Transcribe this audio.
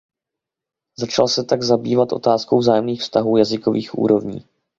Začal se tak zabývat otázkou vzájemných vztahů jazykových úrovní.